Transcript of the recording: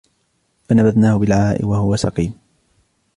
فَنَبَذْنَاهُ بِالْعَرَاءِ وَهُوَ سَقِيمٌ